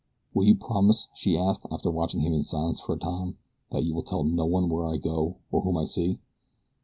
"Will you promise," she asked, after watching him in silence for a time, "that you will tell no one where I go or whom I see?"